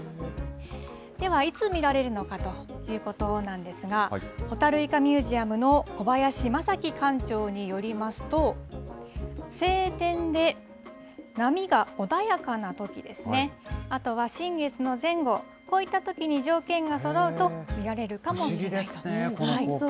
では、いつ見られるのかということなんですが、ほたるいかミュージアムの小林昌樹館長によりますと、晴天で波が穏やかなときですね、あとは新月の前後、こういったときに条件がそろうと見られるかもしれないという不思議ですね、この光景。